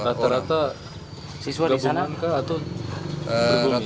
rata rata siswa di sana atau ibu